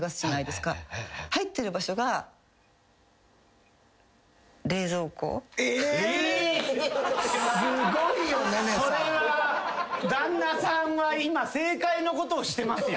すごいよ寧々さん！それは旦那さんは今正解のことをしてますよ！